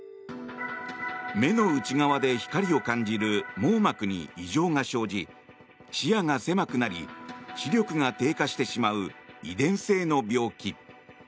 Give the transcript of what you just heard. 目の内側で光を感じる網膜に異常が生じ視野が狭くなり視力が低下してしまう遺伝性の病気。